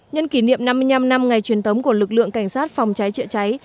nhân kỷ niệm năm mươi năm năm ngày truyền thống của lực lượng cảnh sát phòng cháy chữa cháy